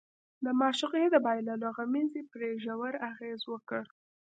د معشوقې د بايللو غمېزې پرې ژور اغېز وکړ.